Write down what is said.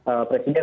karena presiden itu